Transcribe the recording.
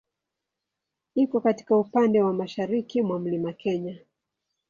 Iko katika upande wa mashariki mwa Mlima Kenya.